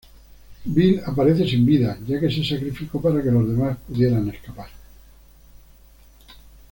Bill aparece sin vida, ya que se sacrificó para que los demás pudieran escapar.